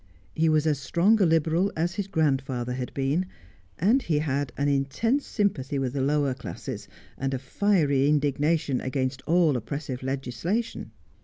He was as strong a Literal as his grandfather had been, and he had an intense sympathy with the lower classes, and a fiery indignation against all oppressive legislation.